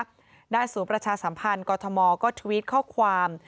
หน้าสู่ประชาสัมพันธ์ก็ทวิตข้อความ